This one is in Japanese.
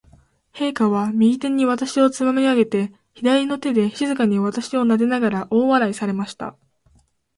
陛下は、右手に私をつまみ上げて、左の手で静かに私をなでながら、大笑いされました。